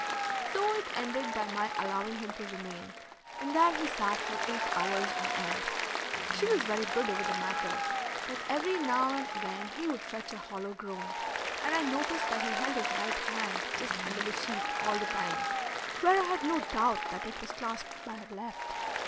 So it ended by my allowing him to remain, and there he sat for eight hours on end. She was very good over the matter, but every now and again he would fetch a hollow groan, and I noticed that he held his right hand just under the sheet all the time, where I had no doubt that it was clasped by her left.